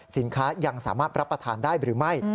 ยังสามารถรับประทานได้หรือไม่